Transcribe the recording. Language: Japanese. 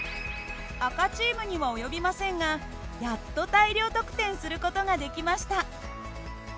赤チームには及びませんがやっと大量得点する事ができました。